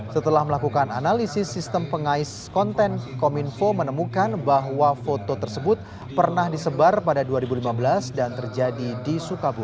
setelah melakukan analisis sistem pengais konten kominfo menemukan bahwa foto tersebut pernah disebar pada dua ribu lima belas dan terjadi di sukabumi